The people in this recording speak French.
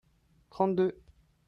trente deux.